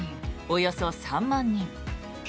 およそ３万人。